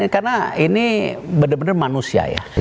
karena ini benar benar manusia ya